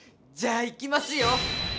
じゃあいきますよ！